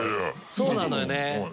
そうなのよね。